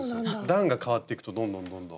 段が変わっていくとどんどんどんどん。